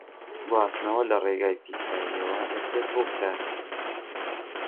گواستنەوە لە ڕێگای پیساییەوە دەکرێت ڕووبدات.